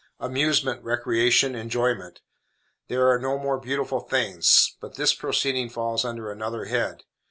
Amusement, recreation, enjoyment! There are no more beautiful things. But this proceeding falls under another head.